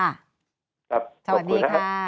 ครับสวัสดีค่ะ